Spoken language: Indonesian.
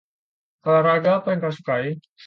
Olahraga apa yang kau sukai?